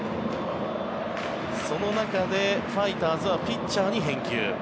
その中でファイターズはピッチャーに返球。